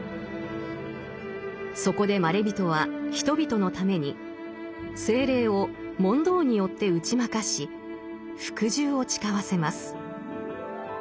そこでまれびとは人々のために精霊を「問答」によって打ち負かし服従を誓わせます。